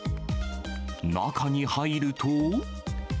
中に入ると。